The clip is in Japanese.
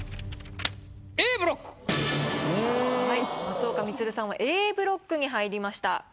松岡充さんはＡブロックに入りました。